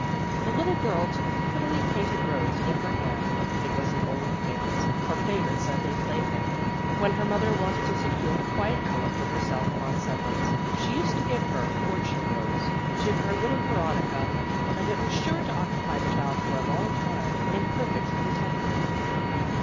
The little girl took the prettily painted rose, in her hand; it was an old acquaintance, her favorite Sunday plaything. When her mother wanted to secure a quiet hour for herself on Sundays, she used to give her "Fortune rose" to her little Veronica, and it was sure to occupy the child for a long time in perfect contentment.